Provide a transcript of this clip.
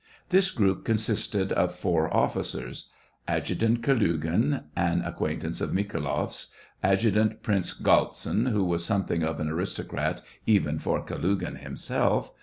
This group consisted of four officers : Adjutant Kalugi^n, an acquaintance of Mikhaifloff's, Adjutant Prince Galtsin, who was something of an aristocrat even for Kalugin himself.